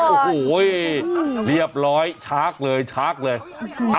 โอ้โหเรียบร้อยช้ากเลยช้ากเลย